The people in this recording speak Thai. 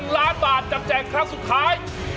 ๑ล้านบาทจับแจกครั้งสุดท้าย